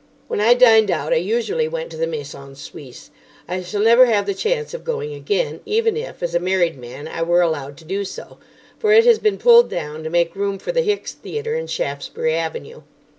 When I dined out, I usually went to the Maison Suisse. I shall never have the chance of going again, even if, as a married man, I were allowed to do so, for it has been pulled down to make room for the Hicks Theatre in Shaftesbury Avenue.